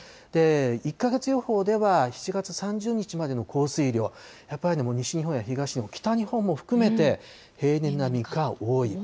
１か月予報では７月３０日までの降水量、やっぱり、西日本や東日本、北日本も含めて、平年並みか多い。